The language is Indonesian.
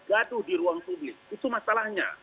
gaduh di ruang publik itu masalahnya